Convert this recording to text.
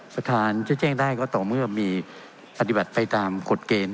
ประธานจะแจ้งได้ก็ต่อเมื่อมีปฏิบัติไปตามกฎเกณฑ์